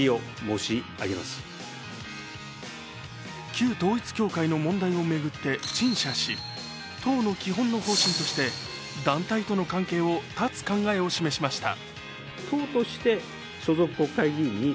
旧統一教会の問題を巡って陳謝し党の基本の方針として団体との関係を断つ考えを示しました。